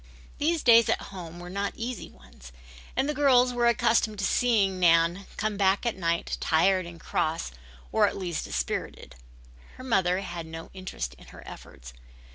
These days at home were not easy ones, and the girls were accustomed to seeing Nan come back at night tired and cross or at least dispirited. Her mother had no interest in her efforts.